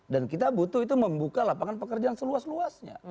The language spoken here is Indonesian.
dan kita butuh itu membuka lapangan pekerjaan seluas luasnya